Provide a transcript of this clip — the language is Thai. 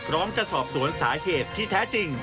พร้อมจะสอบสวนสาเหตุที่แท้จริง